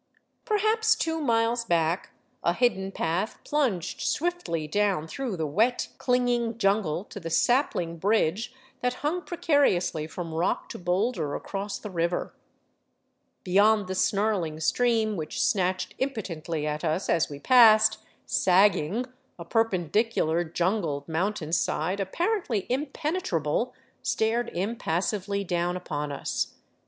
Perhaps two miles back, a hidden path plunged swiftly down through the wet, clinging jungle to the sapling bridge that hung precariously from rock to boulder across the river. Beyond the snarling stream, which snatched impotently at us as we passed, sagging, a perpendicular jungled mountainside, apparently impenetrable, stared impassively down upon us.